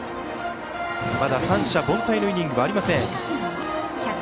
まだ三者凡退のイニングはありません。